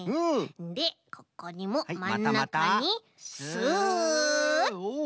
でここにもまんなかにスッと。